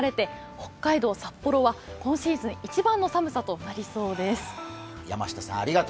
北海道札幌は今シーズン一番の寒さとなりそうです。